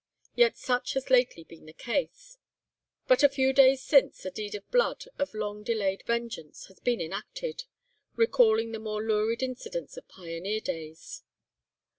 Yet such has lately been the case. But a few days since a deed of blood, of long delayed vengeance, has been enacted, recalling the more lurid incidents of pioneer days.